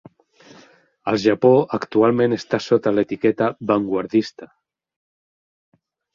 Al Japó, actualment està sota l'etiqueta "Vanguardista".